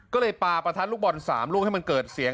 ก็เลยปาประทัดลูกบอล๓ลูกให้มันเกิดเสียง